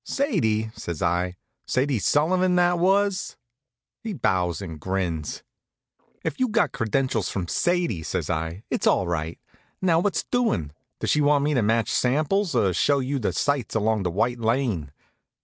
"Sadie?" says I. "Sadie Sullivan that was?" He bows and grins. "If you've got credentials from Sadie," says I, "it's all right. Now, what's doing? Does she want me to match samples, or show you the sights along the White Lane?"